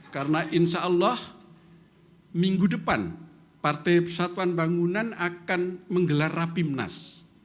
karena insyaallah minggu depan partai persatuan bangunan akan menggelar rapimnas